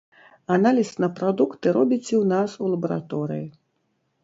Аналіз на прадукты робіце ў нас у лабараторыі.